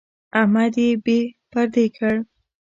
احمد يې بې پردې کړ.